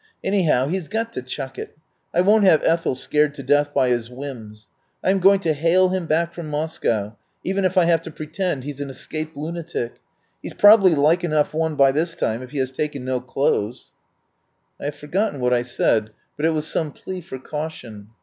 Anyhow, he's got to chuck it. I won't have Ethel scared to death by his whims. I am going to hale him back from Moscow, even if I have to pretend he's an escaped lunatic. He's probably like enough one by this time if he has taken no clothes." I have forgotten what I said, but it was some plea for caution.